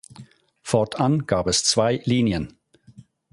Fortan gab es zwei Linien.